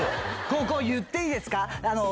ここ言っていいですか？